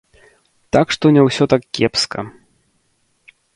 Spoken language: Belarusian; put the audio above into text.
Так што не ўсё так кепска.